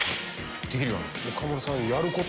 できるかな？